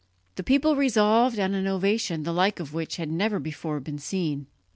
The people resolved on an ovation the like of which had never before been seen.